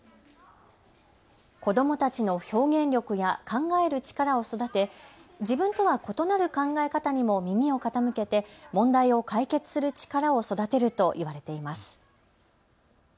子どもたちの表現力や考える力を育て自分とは異なる考え方にも耳を傾けて問題を解決する力を育てると言われています。